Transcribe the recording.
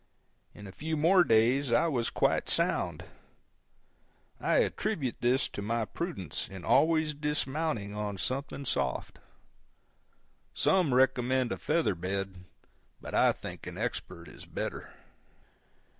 In a few more days I was quite sound. I attribute this to my prudence in always dismounting on something soft. Some recommend a feather bed, but I think an Expert is better.